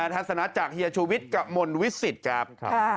ทัศนาจากเฮียชูวิทย์กับมนต์วิสิทธิ์ครับ